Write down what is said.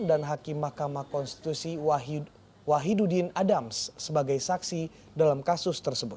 dan hakim mahkamah konstitusi wahidudin adams sebagai saksi dalam kasus tersebut